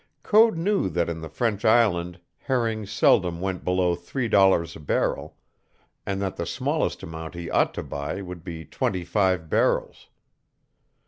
Code knew that in the French island herring seldom went below three dollars a barrel, and that the smallest amount he ought to buy would be twenty five barrels.